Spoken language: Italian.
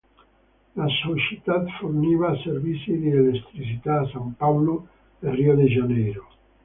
La società forniva servizi di elettricità a San Paolo e Rio de Janeiro.